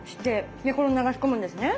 でこれを流し込むんですね。